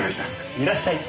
いらっしゃい。